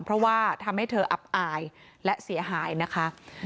เพราะว่าทำให้เธออับอายและเสียหายนะคะ